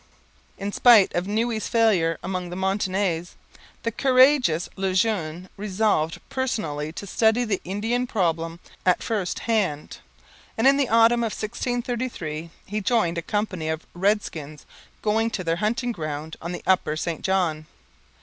In spite of Noue's failure among the Montagnais, the courageous Le Jeune resolved personally to study the Indian problem at first hand; and in the autumn of 1633 he joined a company of redskins going to their hunting ground on the upper St John.